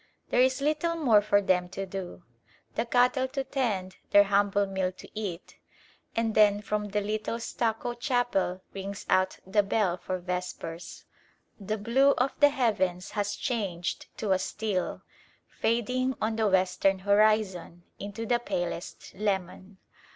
There is little more for them to do. The cattle to tend, their humble meal to eat; and then from the little stucco chapel rings out the bell for vespers. The blue of the heavens has changed to a steel, fading on the western horizon into the palest lemon.